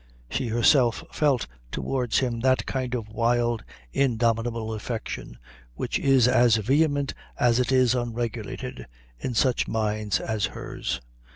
She herself felt towards him that kind of wild, indomitable affection, which is as vehement as it is unregulated in such minds as hers.